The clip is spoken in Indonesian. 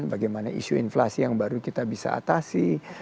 bagaimana isu inflasi yang baru kita bisa atasi